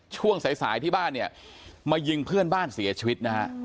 ช่วงสายที่บ้านมายิงเพื่อนบ้านเสียชีวิต